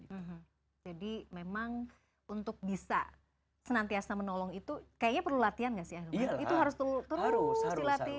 itu jadi memang untuk bisa senantiasa menolong itu kayaknya perlu latihan ya itu harus terus